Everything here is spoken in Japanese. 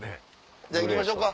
じゃあ行きましょか。